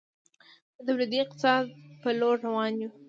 د تولیدي اقتصاد په لور روان یو؟